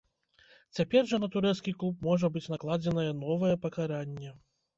Цяпер жа на турэцкі клуб можа быць накладзенае новае пакаранне.